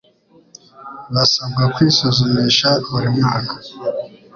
basabwa kwisuzumisha buri mwaka